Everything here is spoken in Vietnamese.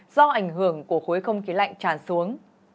do ảnh hưởng của khối không khí lạnh tràn xuống